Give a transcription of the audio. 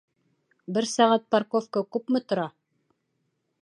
Бер сәғәт парковка күпме тора?